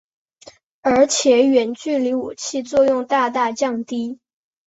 而且远距离武器作用大大降低。